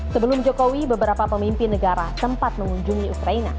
sebelum jokowi beberapa pemimpin negara sempat mengunjungi ukraina